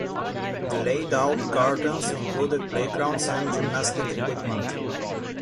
The laid out gardens included playgrounds and gymnastic equipment.